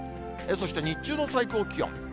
そして日中の最高気温。